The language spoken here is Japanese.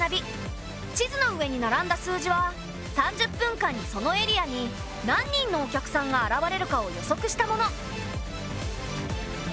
地図の上に並んだ数字は３０分間にそのエリアに何人のお客さんが現れるかを予測したもの。